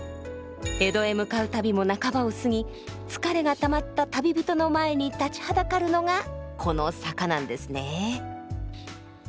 江戸へ向かう旅も半ばを過ぎ疲れがたまった旅人の前に立ちはだかるのがこの坂なんですねえ。